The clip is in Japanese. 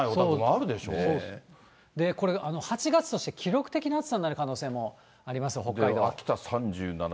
これ、８月として記録的な暑さになる可能性もあります、北海道。